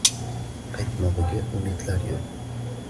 Qaytmog’iga umidlar yo’q…